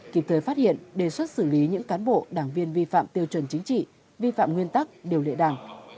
kịp thời phát hiện đề xuất xử lý những cán bộ đảng viên vi phạm tiêu chuẩn chính trị vi phạm nguyên tắc điều lệ đảng